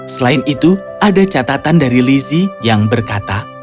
selain itu ada catatan dari lizzie yang berkata